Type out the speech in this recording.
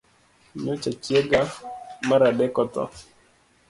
Nyocha chiega mar adek otho